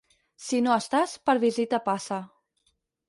Si no estàs, per visita passa.